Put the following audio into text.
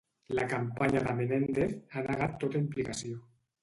La campanya de Menendez ha negat tota implicació.